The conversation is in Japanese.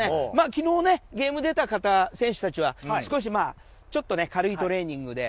昨日ゲーム出た方選手たちは少し軽いトレーニングで。